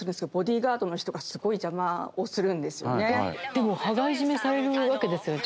でも羽交い締めされるわけですよね。